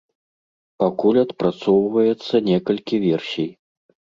Пакуль адпрацоўваецца некалькі версій.